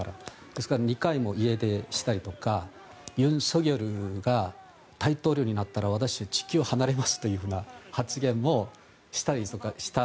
ですから２回も家出でしたりとか尹錫悦が大統領になったら私は地球を離れますとかいう発言もしたりした。